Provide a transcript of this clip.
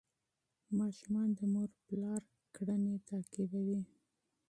ماشومان د والدینو کړنې تعقیبوي.